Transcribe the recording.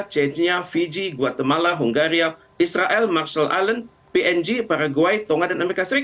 kenya fiji guatemala hungaria israel marshall island png paraguay tonga dan as